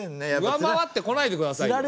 上回ってこないでくださいよ。